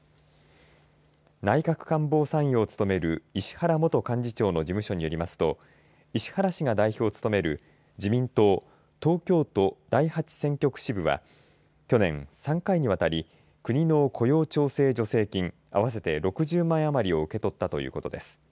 内閣官房参与を務める石原元幹事長の事務所によりますと石原氏が代表を務める自民党東京都第８選挙区支部は去年３回にわたり国の雇用調整助成金合わせて６０万円余りを受け取ったということです。